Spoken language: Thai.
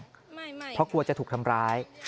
เพราะกลัวจะถูกทำร้าย